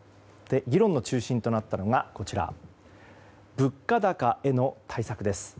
議論の中心となったのが物価高への対策です。